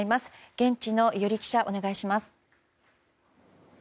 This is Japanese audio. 現地の伊従記者、お願いします。